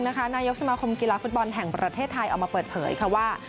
นายกสมาคมกีฬาฟุตบอลแห่งประเทศไทยออกมาเปิดเผยค่ะว่า